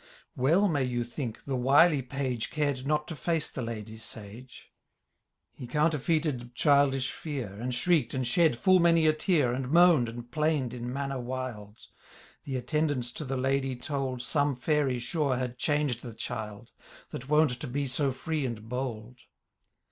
Well may you think, the wily page Cared not to face the Ladye sage. He counterfeited childish fear. And shrieked, and shed full many a teai. And moan'd, and plain'd in manner wild. The attendants to the Ladye told. Some feiry, sure, had changed the child. That wont to be so free and bold.